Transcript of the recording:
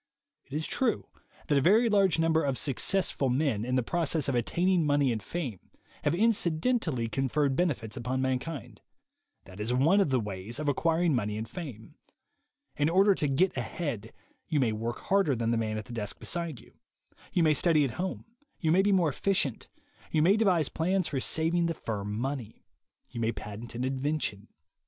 It is true that a very large number of Successful Men, in the process of attaining money and fame, have inci dentally conferred benefits upon mankind. That is one of the ways of acquiring money and fame. In order to "get ahead," you may work harder than the man at the desk beside you; you may study at home, you may be more efficient, you may devise plans for saving the firm money; you may patent an invention.